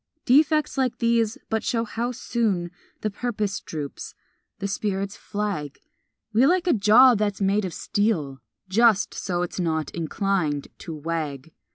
Defects like these but show how soon The purpose droops, the spirits flag We like a jaw that's made of steel, Just so it's not inclined to wag.